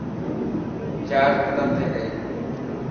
چارج ختم ٿي گئي.